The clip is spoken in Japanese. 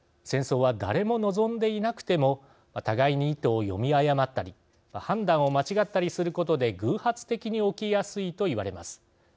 戦争は、誰も望んでいなくても互いに意図を読み誤ったり判断を間違ったりすることで偶発的に起きやすいといわれます。